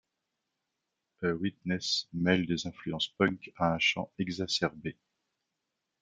A Witness mêle des influences punk à un chant exacerbé.